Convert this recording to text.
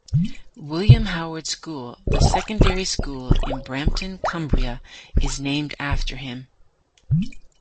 William Howard School, the secondary school in Brampton, Cumbria, is named after him.